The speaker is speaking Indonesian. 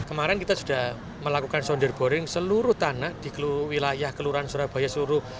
kemarin kita sudah melakukan sounder boring seluruh tanah di wilayah kelurahan surabaya seluruh